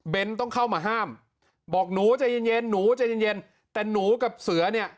เป็นต้องเข้ามาห้ามบอกหนูใจเย็นหนูใจเย็นแต่หนูกับเสือเนี่ย